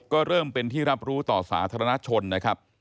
ก็เริ่มเป็นที่รับรู้ต่อสาธารณชนนะครับ